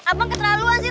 abang keterlaluan sih